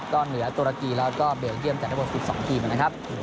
ก็เหนือตุรกีแล้วก็เบลเยี่ยมกันทั้งหมด๑๒ทีมนะครับ